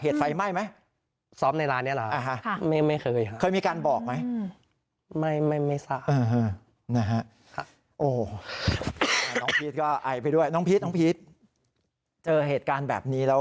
เหตุการณ์แบบนี้แล้วกลัวไหมครับ